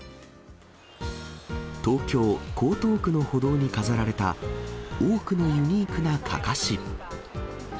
東京・江東区の歩道に飾られた多くのユニークなかかし。